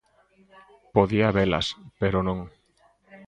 Podía habelas, pero non.